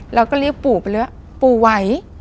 แล้วก็เรียกปู่ไปเลยว่าปู่ไหว